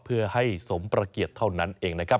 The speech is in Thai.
เพื่อให้สมประเกียรติเท่านั้นเองนะครับ